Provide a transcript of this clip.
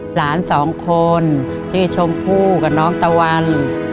หลานสองคนชื่อชมพู่กับน้องตะวัน